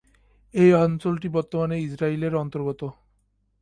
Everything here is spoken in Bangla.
এই অঞ্চলটি বর্তমানে ইসরাইলের অন্তর্গত।